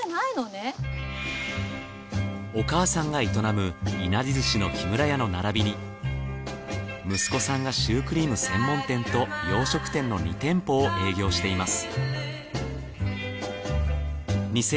お母さんが営むいなり寿司のきむらやの並びに息子さんがシュークリーム専門店と洋食店の２店舗を営業しています。